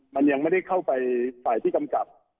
มันยังไม่ได้เข้าไปฝ่ายที่กำกับ